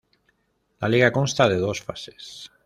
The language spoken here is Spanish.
La liga consta de dos fases.